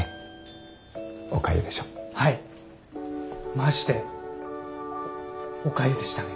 マジでおかゆでしたね。